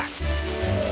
dan dia menangis